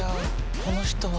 この人は。